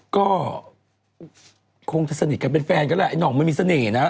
ก็คงจะสนิทกันเป็นแฟนกันแหละไอ้ห่องมันมีเสน่ห์นะ